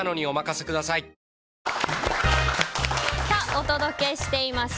お届けしています